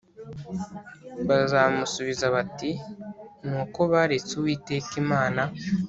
bazamusubiza bati ni uko baretse uwiteka imana